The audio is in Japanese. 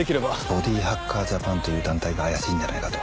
ボディハッカージャパンという団体が怪しいんじゃないかと。